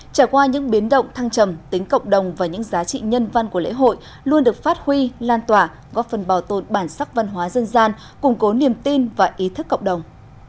trải qua những biến động thăng trầm tính cộng đồng và những giá trị nhân văn của lễ hội luôn được phát huy lan tỏa góp phần bảo tồn bản sắc văn hóa dân gian củng cố niềm tin và ý thức cộng đồng